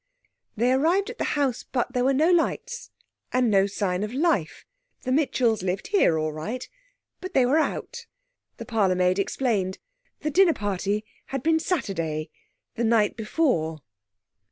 They arrived at the house, but there were no lights, and no sign of life. The Mitchells lived here all right, but they were out. The parlourmaid explained. The dinner party had been Saturday, the night before....